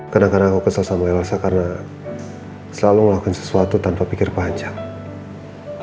kadang kadang aku kesal sama elsa karena selalu melakukan sesuatu tanpa pikir panjang